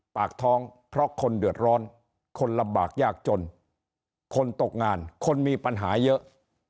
ปากท้องเพราะคนเดือดร้อนคนลำบากยากจนคนตกงานคนมีปัญหาเยอะ